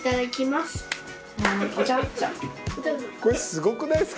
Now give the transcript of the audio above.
「すごくないですか？